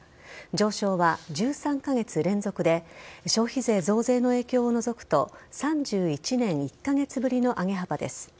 上昇は１３カ月連続で消費税増税の影響を除くと３１年１カ月ぶりの上げ幅です。